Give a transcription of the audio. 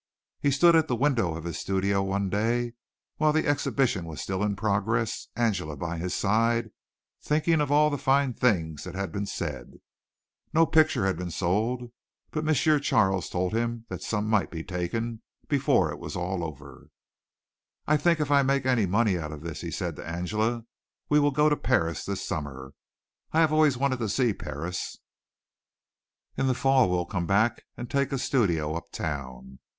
He stood at the window of his studio one day while the exhibition was still in progress, Angela by his side, thinking of all the fine things that had been said. No picture had been sold, but M. Charles had told him that some might be taken before it was all over. "I think if I make any money out of this," he said to Angela, "we will go to Paris this summer. I have always wanted to see Paris. In the fall we'll come back and take a studio up town.